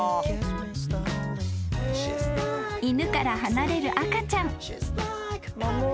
［犬から離れる赤ちゃん］